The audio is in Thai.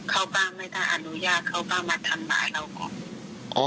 เขาบ้างไหมถ้าอนุญาตเขาบ้างมาทำร้ายเราก่อน